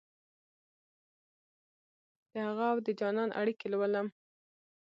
دهغه اودجانان اړیکې لولم